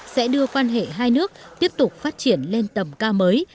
sẽ đưa quan hệ hai nước tiếp tục phát triển lên tầm cao mới